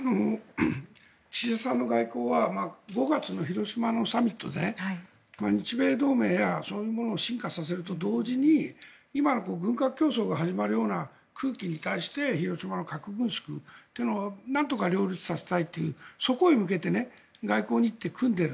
岸田さんの外交は５月の広島のサミットで日米同盟やそういうものを進化させると同時に今の軍拡競争が始まりそうな空気に対して広島の核軍縮というのをなんとか両立させたいというそこへ向けて外交日程を組んでいる。